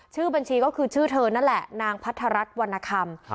ชื่อบัญชีก็คือชื่อเธอนั่นแหละนางพัทรรัฐวรรณคำ